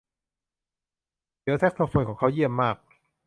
เดี่ยวแซกโซโฟนของเขาเยี่ยมมาก